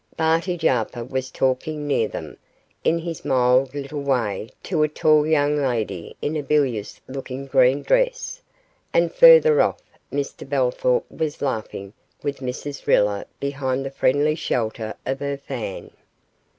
Barty Jarper was talking near them, in his mild little way, to a tall young lady in a bilious looking green dress, and further off Mr Bellthorp was laughing with Mrs Riller behind the friendly shelter of her fan.